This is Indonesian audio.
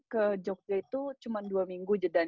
tunggal tiga bulan sebel gumian